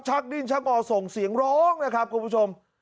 ดิ้นชักงอส่งเสียงร้องนะครับคุณผู้ชม